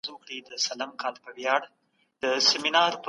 په خبرو کي باید د مقابل لوري سپکاوی ونه سي.